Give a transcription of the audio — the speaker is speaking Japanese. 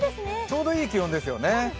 ちょうどいい気温ですよね。